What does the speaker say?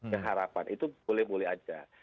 keharapan itu boleh boleh aja